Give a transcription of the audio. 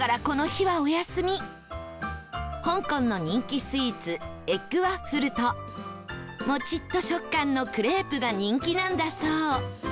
香港の人気スイーツエッグワッフルともちっと食感のクレープが人気なんだそう